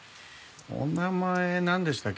お名前なんでしたっけ？